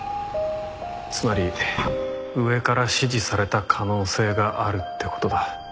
つまり上から指示された可能性があるって事だ。